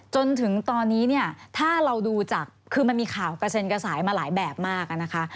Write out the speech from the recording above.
จนถึงตอนนี้เนี่ยถ้าเราดูจากคือมันมีข่าวกระเซ็นกระสายมาหลายแบบมากนะคะ